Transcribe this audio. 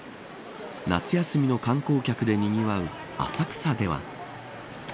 夏休みの観光客でにぎわう浅草では。